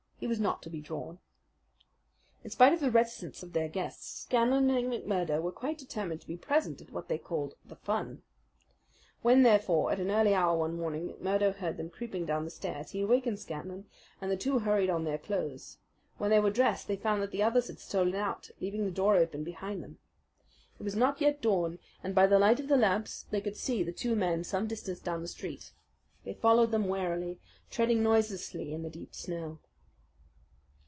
He was not to be drawn. In spite of the reticence of their guests, Scanlan and McMurdo were quite determined to be present at what they called "the fun." When, therefore, at an early hour one morning McMurdo heard them creeping down the stairs he awakened Scanlan, and the two hurried on their clothes. When they were dressed they found that the others had stolen out, leaving the door open behind them. It was not yet dawn, and by the light of the lamps they could see the two men some distance down the street. They followed them warily, treading noiselessly in the deep snow.